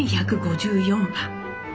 １，１５４番。